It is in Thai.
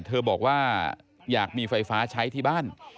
เธอบอกว่าอยากมีไฟฟ้าใช้ที่บ้าน